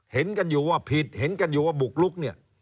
เห็นกันอยู่ว่าผิดเห็นกันอยู่ว่าบุกลุกเนี่ย